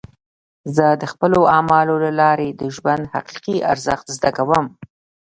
زه د خپلو اعمالو له لارې د ژوند حقیقي ارزښت زده کوم.